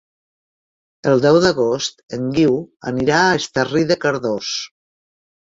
El deu d'agost en Guiu anirà a Esterri de Cardós.